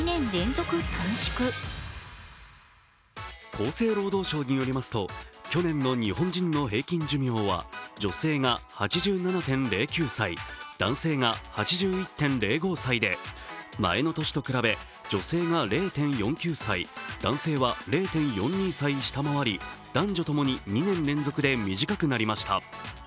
厚生労働省によりますと、去年の日本人の平均寿命は女性が８７．０９歳、男性が８１．０５歳で前の年と比べ女性が０．４９歳男性は０．４２歳下回り、男女ともに２年連続で短くなりました。